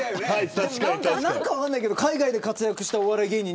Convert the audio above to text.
何か分かんないけど海外で活躍したお笑い芸人